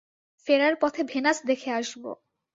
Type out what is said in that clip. ফেরার পথে ভেনাস দেখে আসব।